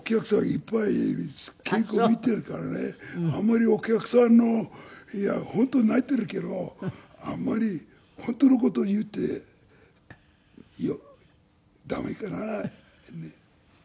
いっぱいいるし稽古見ているからねあんまりお客さんのいや本当は泣いているけどあんまり本当の事言うって駄目かな。